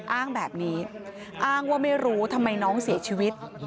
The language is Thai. อ้างแบบนี้อ้างว่าไม่รู้ทำไมน้องเสียชีวิต